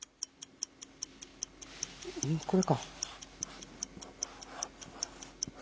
えっこれか！